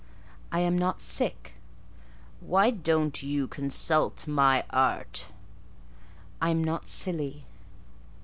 "I am not sick." "Why don't you consult my art?" "I'm not silly."